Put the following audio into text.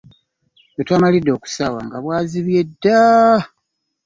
We twamalidde okusaawa nga bwazibye dda.